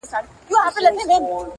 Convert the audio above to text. كله توري سي.